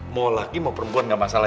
mau laki mau perempuan nggak masalah